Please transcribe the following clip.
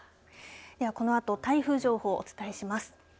ではこのあと台風情報お伝えします。